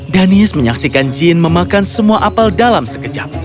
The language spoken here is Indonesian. danis menyaksikan jin memakan semua apel dalam sekejap